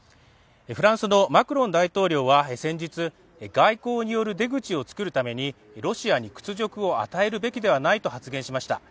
フランスのマクロン大統領は先日外交による出口を作るためにロシアに屈辱を与えるべきではないと発言しました。